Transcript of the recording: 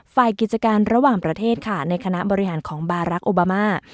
ฝ่ายกิจการระหว่างประเทศค่ะในคณะบริหารของบารักษ์โอบามา